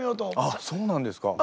あっそうなんですか？